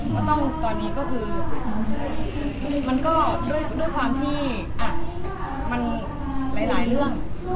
ก็ต้องตอนนี้ก็คือมันก็ด้วยความที่มันหลายเรื่อง